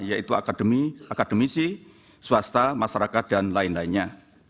yaitu akademi akademisi swasta masyarakat dan lain lainnya